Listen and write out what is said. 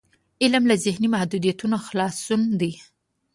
علم له ذهني محدودیتونو خلاصون دی.